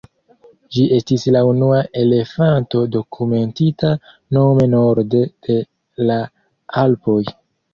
Ĝi estis la unua elefanto dokumentita nome norde de la Alpoj.